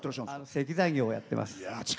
石材業をやってます。